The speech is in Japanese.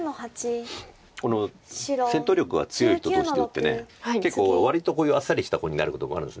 この戦闘力が強い人同士で打って結構割とこういうあっさりした碁になることもあるんです。